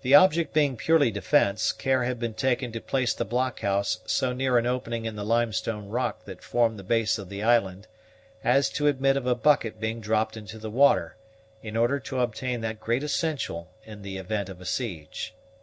The object being purely defence, care had been taken to place the blockhouse so near an opening in the limestone rock that formed the base of the island as to admit of a bucket being dropped into the water, in order to obtain that great essential in the event of a siege.